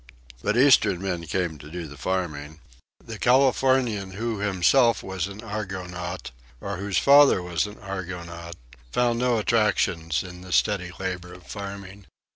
But Eastern men came to do the farming. The Californian who himself was an "Argonaut," or whose father was an Argonaut, found no attractions in the steady labor of farming.